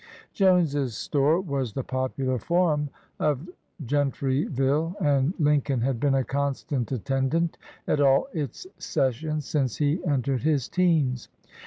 Jones's store was the popular forum of Gen tryville, and Lincoln had been a constant attend ant at all its sessions since he entered his teens.